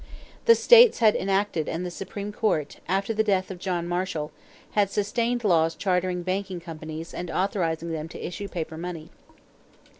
The states had enacted and the Supreme Court, after the death of John Marshall, had sustained laws chartering banking companies and authorizing them to issue paper money.